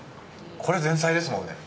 これ前菜ですもんね。